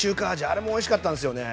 あれもおいしかったんですよね。